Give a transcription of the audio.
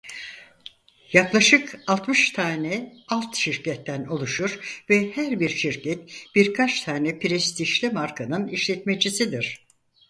Yaklaşık altmış tane alt şirketten oluşur ve her bir şirket birkaç tane prestijli markanın işletmecisidir.